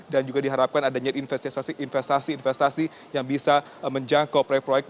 dan juga diharapkan adanya investasi investasi yang bisa menjangkau proyek proyek